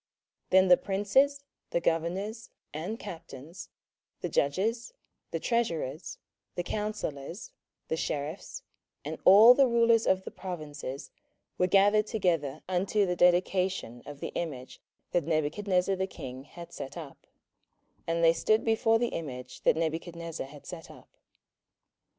27:003:003 Then the princes, the governors, and captains, the judges, the treasurers, the counsellors, the sheriffs, and all the rulers of the provinces, were gathered together unto the dedication of the image that Nebuchadnezzar the king had set up; and they stood before the image that Nebuchadnezzar had set up.